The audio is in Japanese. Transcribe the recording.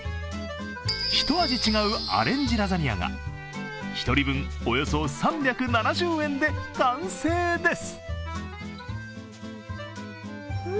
ひと味違うアレンジラザニアが１人分およそ３７０円で完成です。